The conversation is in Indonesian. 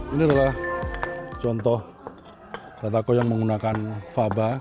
ini adalah contoh datako yang menggunakan faba